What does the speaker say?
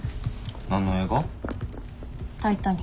何の映画？